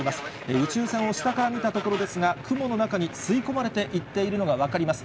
宇宙船を下から見たところですが、雲の中に吸い込まれていっているのが分かります。